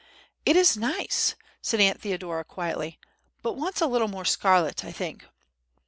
"It is nice," said Aunt Theodora, quietly, "but wants a little more scarlet, I think."